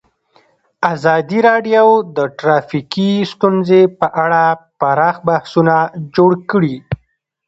ازادي راډیو د ټرافیکي ستونزې په اړه پراخ بحثونه جوړ کړي.